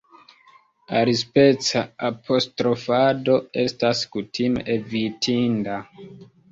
Alispeca apostrofado estas kutime evitinda.